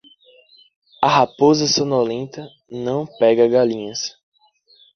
A raposa sonolenta não pega galinhas.